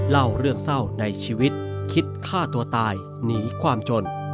เล่าเรื่องเศร้าในชีวิตคิดฆ่าตัวตายหนีความจน